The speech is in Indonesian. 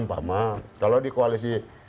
mpama kalau di koalisi